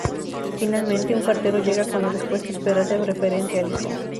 Finalmente, un cartero llega con la respuesta esperada referente al hijo.